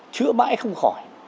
chữa mãi không khỏi